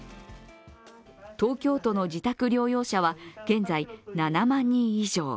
東京都の自宅療養者は現在７万人以上。